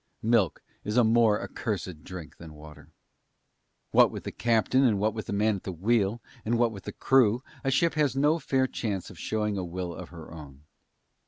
Milk is a more accursed drink than water. What with the captain and what with the man at the wheel, and what with the crew, a ship has no fair chance of showing a will of her own.